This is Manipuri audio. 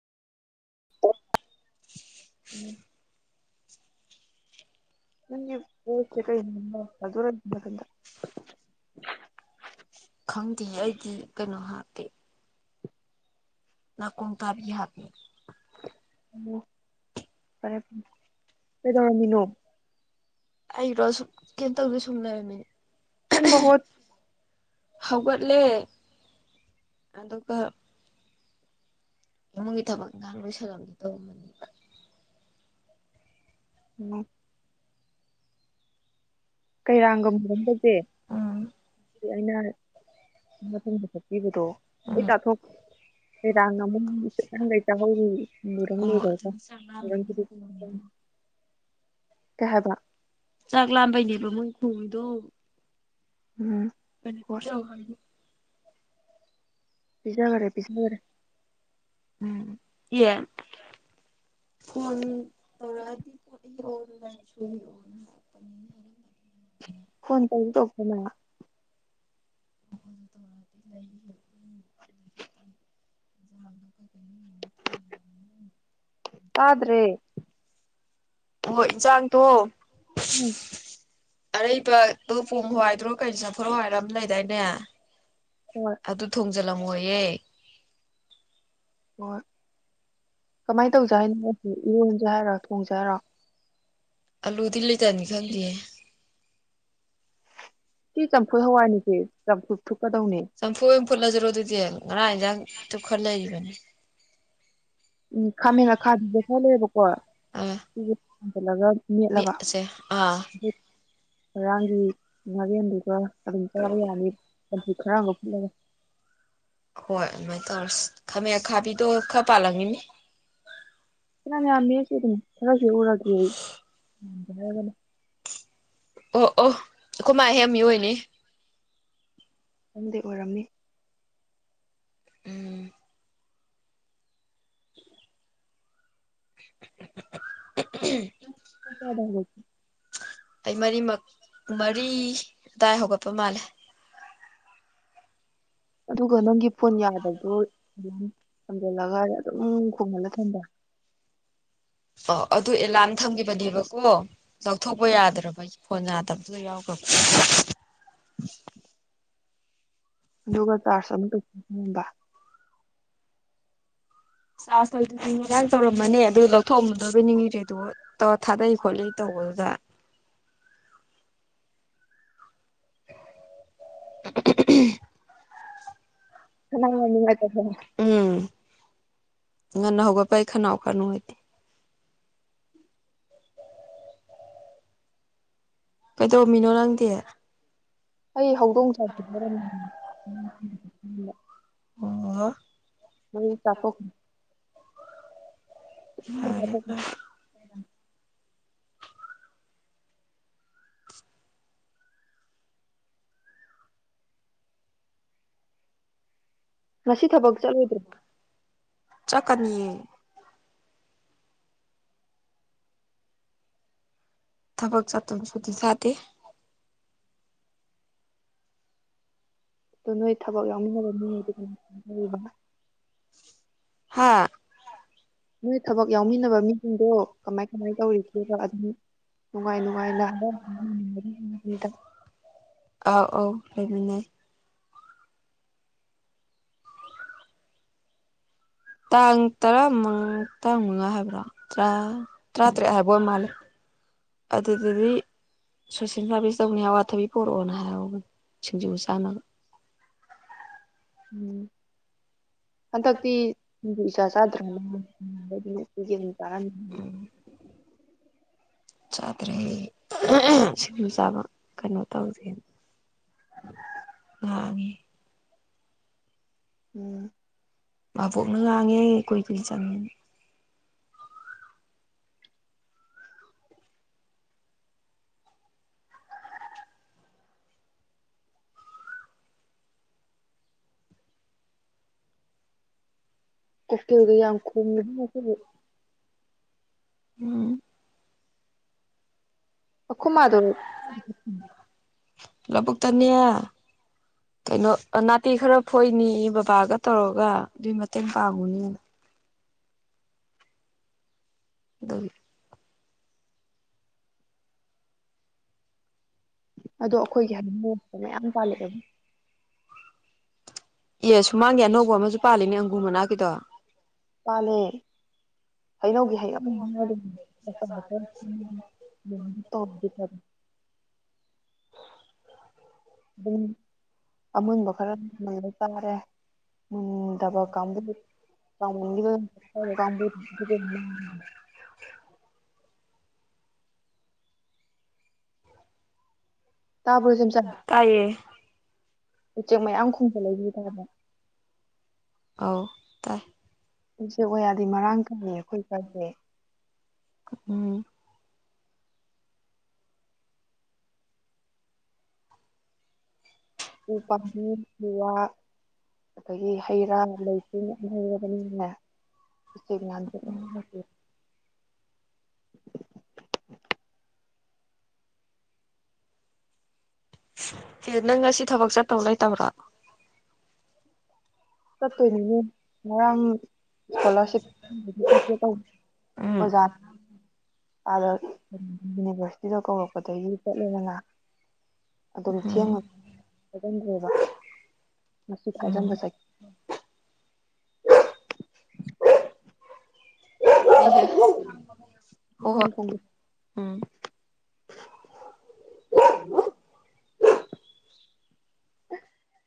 ꯎꯝ ꯪꯁ ꯀ ꯈꯪꯗꯦ ꯑꯩꯗꯤ ꯀꯩꯅꯣ ꯍꯥꯞꯄꯦ ꯅ ꯀꯨꯝ ꯇꯥꯔꯒꯤ ꯍꯥꯄꯤ ꯑꯣ ꯐꯔꯦ ꯐꯔꯦ ꯀꯩꯗꯧꯔꯝꯃꯤꯅꯣ ꯑꯩꯔꯣꯁꯨ ꯀ ꯇꯧ ꯁꯨꯝꯅꯔꯃꯤꯅꯤ ꯣꯠ ꯍꯧꯒꯠꯂꯦ ꯑꯗꯨꯒ ꯏꯃꯨꯡꯒꯤ ꯊꯕꯛ ꯏꯟꯈꯥꯡ ꯂꯣꯏꯁꯜꯂꯝꯗꯤ ꯇꯧꯝꯕꯅꯦꯕ ꯎꯝ ꯀꯩꯔꯥꯡꯒ ꯃꯨꯔꯝꯗꯒꯦ ꯎꯝ ꯑꯩꯅꯗ ꯆꯛꯄꯤꯕꯗꯣ ꯎꯝ ꯑꯩ ꯇꯥꯊꯣꯛ ꯀꯩꯔꯥꯡ ꯑꯃꯨꯛꯍꯥꯡꯈꯩ ꯇꯥꯍꯧꯔꯤ ꯃꯨꯔꯪ ꯑꯣ ꯂꯣꯏꯈ꯭ꯔꯒ ꯑꯗꯨꯅ ꯆꯥꯛ ꯂꯥꯝꯕꯩꯅꯤ ꯀꯩ ꯍꯥꯏꯕ ꯆꯥꯛ ꯂꯥꯝꯕꯩꯅꯤꯕ ꯃꯣꯏ ꯍꯣꯏꯗꯣ ꯎꯝ ꯃ ꯄꯤ ꯍꯣꯏ ꯌꯥ ꯍꯥꯏ ꯄꯤꯖꯥꯕꯔꯦ ꯄꯤꯖꯥꯕꯔꯦ ꯎꯝ ꯑꯦ ꯐꯣꯟ ꯇꯧꯔꯛꯑꯗꯤ ꯄꯣꯠꯑꯣ ꯂꯥꯏ ꯁꯨꯕꯤꯑꯣꯅꯄꯅꯤꯅ ꯀꯣꯟꯇꯥ ꯇꯣꯄ ꯃ ꯑꯩꯇꯇ ꯂꯩ ꯋꯦ [inaudible] ꯇꯥꯗ꯭ꯔꯦ ꯍ ꯏ ꯆꯥꯡ ꯇ ꯎꯝ ꯑꯔꯩꯕꯗꯣ ꯄꯨꯡ ꯍꯋꯥꯏꯗ꯭ꯔꯣ ꯀꯩꯅ ꯆꯠꯊꯣꯔꯣ ꯍꯥꯏꯔꯝ ꯂꯩꯗꯥꯏꯅꯦ ꯍꯣꯏ ꯑꯗꯨ ꯊꯣꯡ ꯖꯂ ꯑꯣꯏꯌꯦꯦ ꯍꯣꯏ ꯀꯃꯥꯏꯅ ꯇꯧꯖ ꯍꯥꯏꯅꯣ ꯏꯔꯣꯟꯁꯦ ꯍꯥꯏꯔꯣ ꯊꯣꯡꯁ ꯍꯥꯏꯔꯣ ꯑꯜꯂꯨꯗꯤ ꯂꯩꯇꯅꯤ ꯈꯪꯗꯦ ꯆꯝꯐꯨ ꯍꯋꯥꯅꯤ ꯆꯐꯨ ꯊ ꯆꯝꯐꯨ ꯏꯝ ꯐꯨꯜꯖꯔꯣꯏꯗꯗ ꯉꯅꯥ ꯇꯨ ꯈꯣꯂ ꯂꯩꯕꯅꯦ ꯎꯝ ꯈꯥꯃꯦꯟ ꯈꯥꯕꯤꯕꯦ ꯈꯔꯂꯦꯕꯀꯣ ꯂꯒ ꯃꯤꯁꯦ ꯑꯥ ꯉꯔꯥꯡꯒꯤ ꯅꯥꯒꯦꯟꯗꯨꯀꯣ ꯑꯗꯨꯝ ꯆꯥꯕ ꯌꯥꯅꯤ ꯍꯆꯝꯐꯨꯠ ꯈꯔꯥ ꯑꯃ ꯐꯨꯠꯂꯒ ꯍꯣꯏ ꯑꯗꯨꯃꯥꯏꯅ ꯇꯧꯔꯁꯤ ꯈꯥꯃ ꯈꯥꯕꯤꯗꯣ ꯈꯔ ꯄꯥꯜꯂꯝꯪꯉꯤꯅꯦ ꯌꯥꯝ ꯌꯥꯝꯃꯦ ꯑꯁꯤꯗꯤ ꯈꯔꯥ ꯍꯦꯛꯎꯔꯒꯦ ꯑꯩ ꯑꯣ ꯑꯣ ꯑꯩꯈꯃꯥ ꯍꯦꯃꯤꯏꯅꯦ ꯑꯗꯨꯝꯗꯤ ꯑꯣꯏꯔꯝꯅꯤ ꯎꯝ [unintelligible] [unintelligible] ꯑꯩ ꯃꯔꯤꯃꯛ ꯃꯔꯤ ꯑꯗꯥꯏ ꯍꯧꯒꯠꯄ ꯃꯥꯜꯂꯦ ꯑꯗꯨꯒ ꯅꯪꯒꯤ ꯐꯣꯟ ꯌꯥꯗꯕꯗꯣ ꯊꯝꯖꯜꯂꯒ ꯑꯗꯨꯝ ꯈꯣꯡꯍꯜꯂ ꯊꯝꯕ ꯑꯣ ꯑꯗꯨ ꯑꯦꯂꯥꯔꯝ ꯊꯝꯈꯤꯕꯅꯦꯕꯀꯣ ꯂꯧꯊꯣꯛꯄ ꯌꯥꯗ꯭ꯔꯕ ꯐꯣꯟ ꯌꯥꯗꯕꯗꯨꯗ ꯌꯥꯎꯈ꯭ꯔꯕ [unintelligible] ꯑꯗꯨꯒ ꯆꯥꯔꯖ ꯑꯃꯨꯛ [unintelligible] [unintelligible] ꯉꯔꯥꯡ ꯇꯧꯔꯝꯕꯅꯦ ꯑꯗꯨ ꯂꯧꯊꯣꯛꯑꯝꯗꯕꯣꯏ ꯅꯤꯡꯉꯨꯔꯦ ꯇꯧꯔ ꯊꯥꯗꯩ ꯈꯣꯠꯂꯤ ꯇꯧꯕꯗꯨꯗ [unintelligible] ꯐꯅ ꯌꯥꯝ ꯅꯨꯡꯉꯥꯏꯇꯕ ꯎꯝ ꯉꯟꯅ ꯍꯧꯒꯠꯄꯩ ꯈꯅꯥꯎ ꯈꯔ ꯅꯨꯡꯉꯥꯏꯇꯦ ꯀꯩꯗꯧꯔꯝꯃꯤꯅꯣ ꯅꯪꯗꯤ ꯑꯩ ꯍꯧꯗꯣꯡ [unintelligible] ꯑꯣ [unintelligible] ꯐꯔꯦ ꯐꯔꯦ [unintelligible] ꯉꯁꯤ ꯊꯕꯛ ꯆꯠꯂꯨꯗ꯭ꯔꯣ ꯆꯠꯀꯅꯤꯌꯦ ꯊꯕꯛ ꯆꯠꯇꯕ ꯁꯨꯇꯤ ꯊꯥꯗꯦ ꯑꯗꯣ ꯅꯣꯏ ꯊꯕꯛ ꯌꯥꯎꯃꯤꯟꯅꯕ [unintelligible] ꯍꯥꯥ ꯅꯣꯏ ꯊꯕꯛ ꯌꯥꯎꯃꯤꯟꯅꯕ ꯃꯤꯁꯤꯡꯗꯣ ꯀꯃꯥꯏ ꯀꯃꯥꯏ ꯇꯧꯔꯤꯒꯦꯕ ꯑꯗꯨꯝ ꯅꯨꯡꯉꯥꯏ ꯅꯨꯡꯉꯥꯏꯅ [unintelligible] ꯑꯥꯎ ꯑꯧ ꯂꯩꯃꯤꯟꯅꯩ ꯇꯥꯡ ꯇꯔꯥ ꯃ ꯇꯥꯔꯥ ꯃꯉꯥ ꯍꯥꯏꯕ꯭ꯔꯥ ꯇꯔꯥ ꯇꯔꯥꯇꯔꯦꯠ ꯍꯥꯏꯕ ꯑꯣꯏ ꯃꯥꯜꯂꯦ ꯑꯗꯨꯗꯤꯗꯤ ꯁꯣꯁꯦꯜ ꯁꯔꯚꯤꯁ ꯇꯧꯅꯤ ꯑꯋꯥꯊꯕꯤ ꯄꯣꯔꯛꯑꯣꯅ ꯍꯥꯏꯍꯧꯕꯅꯤ ꯁꯤꯡꯖꯨ ꯆꯥꯅꯕ [unintelligible] ꯍꯟꯗꯛꯇꯤ ꯁꯤꯡꯖꯨ ꯏꯆꯥ ꯆꯥꯗꯔ꯭ꯦꯅꯦ [unintelligible] [unintelligible] [unintelligible] ꯆꯥꯗ꯭ꯔꯦ ꯁꯤꯡꯖꯨ ꯆꯥꯕ ꯀꯩꯅꯣ ꯇꯧꯏ ꯉꯥꯡꯉꯤ ꯎꯝ ꯃꯥꯕꯣꯛꯅ ꯉꯥꯡꯉꯦ ꯀꯨꯏ ꯀꯨꯏ ꯆꯪ ꯀꯨꯀꯤꯜꯒ ꯌꯥꯝ ꯈꯣꯉꯦ ꯉꯁꯤꯗꯤ ꯎꯝ ꯑꯈꯣꯃꯥꯗꯣ [unintelligible] ꯂꯧꯕꯨꯛꯇꯅꯦ ꯀꯩꯅꯣ ꯅꯥꯇꯤ ꯈꯔ ꯐꯣꯏꯅꯤ ꯕꯕꯥꯒ ꯇꯧꯔꯒ ꯑꯗꯨꯏ ꯃꯇꯦꯡ ꯄꯥꯡꯉꯨꯅꯦꯅ ꯑꯗꯨꯒꯤ ꯑꯗꯣ ꯑꯩꯈꯣꯏꯒꯤ [unintelligible] ꯃꯌꯥꯝ ꯄꯥꯜꯂꯛꯑꯦ ꯑꯦ ꯁꯨꯃꯥꯡꯒꯤ ꯑꯅꯧꯕ ꯑꯃꯁꯨ ꯄꯥꯜꯂꯦꯅꯦ ꯑꯪꯒꯨꯔ ꯃꯅꯥꯛꯀꯤꯗꯣ ꯄꯥꯜꯂꯦ ꯍꯩꯅꯧꯒꯤ ꯍꯩꯅꯧ [unintelligible] ꯇꯗꯤꯔ [unintelligible] ꯕꯨꯝ ꯑꯃꯨꯟꯕ ꯈꯔ ꯃꯨꯜꯂꯇꯥꯥꯔꯦ [unintelligible] ꯇꯥꯕ꯭ꯔꯣ ꯁꯦꯝꯆꯥꯥꯟ ꯇꯥꯏꯌꯦ ꯎꯆꯦꯛ ꯃꯌꯥꯝ ꯈꯣꯡꯕ ꯂꯩ ꯇꯥ ꯑꯧ ꯇꯥꯏ ꯎꯆꯦ ꯑꯣꯌꯥꯗꯤ ꯃꯔꯥꯡ ꯀꯥꯏꯌꯧ ꯑꯩꯈꯣꯏ ꯁ꯭ꯋꯥꯏꯁꯦ ꯎꯝ ꯎ-ꯄꯥꯟꯕꯤ ꯎ-ꯋꯥ ꯑꯗꯒꯤ ꯍꯩ ꯔꯥ ꯂꯩ ꯆꯤ ꯌꯥꯝ ꯍꯩꯔꯕꯅꯤꯅꯅꯦ ꯎꯆꯦꯛ ꯃꯌꯥꯝꯖꯦ [inaudible] ꯁꯤꯁ ꯅꯪ ꯉꯁꯤ ꯊꯕꯛ ꯆꯠꯇꯧ ꯂꯩꯇꯕ꯭ꯔꯣ ꯆꯠꯇꯣꯏꯅꯤꯅꯦ ꯉꯔꯥꯡ ꯏꯁꯀꯣꯂꯥꯔꯁꯤꯞ [unintelligible] ꯆꯠꯀꯦ ꯇꯧꯕꯅꯦ ꯎꯝ ꯑꯣꯖꯥꯗ ꯌꯨꯅꯤꯚꯔꯁꯇꯤꯗ ꯀꯧꯔꯛ ꯑꯗꯒꯤ ꯆꯠꯂꯦꯗꯅ ꯑꯗꯨꯝ ꯎꯝ ꯊꯦꯡꯉ ꯊꯤꯖꯤꯟꯗ꯭ꯔꯦꯕ ꯃꯁꯤ ꯎꯝ ꯊꯥꯖꯤꯟꯕ ꯆꯠ ꯍ [inaudible] ꯍ [unintelligible] ꯊꯪꯒ [unintelligible] ꯎꯝ